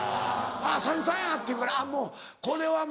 「あっ三枝さんや」って言うからもうこれはもうしゃあない。